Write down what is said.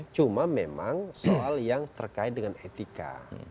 cuma memang soal yang terkait dengan etika